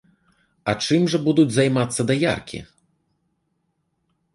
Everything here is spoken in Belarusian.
А чым жа будуць займацца даяркі?